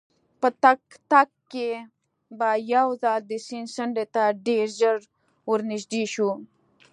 په تګ تګ کې به یو ځل د سیند څنډې ته ډېر ورنژدې شوو.